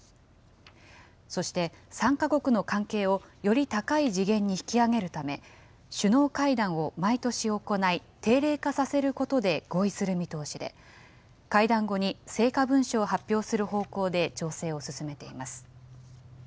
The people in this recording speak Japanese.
そして、３か国の関係をより高い次元に引き上げるため、首脳会談を毎年行い、定例化させることで合意する見通しで、会談後に成果文書を発表する方向で調整を進めています。